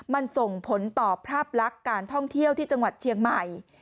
มันส่งผลต่อภาพลักษณ์การท่องเที่ยวที่จังหวัดเชียงใหม่